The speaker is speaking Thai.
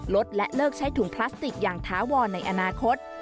ลดและเลิกใช้ถุงพลาสติกอย่างถาวรในอนาคต